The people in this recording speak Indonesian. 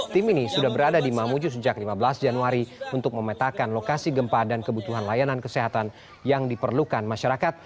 tim ini sudah berada di mamuju sejak lima belas januari untuk memetakan lokasi gempa dan kebutuhan layanan kesehatan yang diperlukan masyarakat